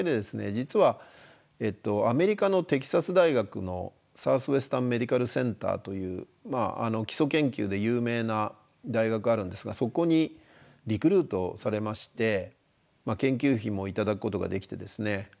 実はアメリカのテキサス大学のサウスウェスタンメディカルセンターという基礎研究で有名な大学があるんですがそこにリクルートされまして研究費も頂くことができてですね